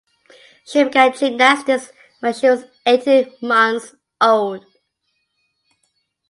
She began gymnastics when she was eighteen months old.